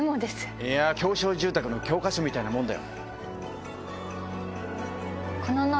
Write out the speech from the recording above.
いや狭小住宅の教科書みたいなもんだよ。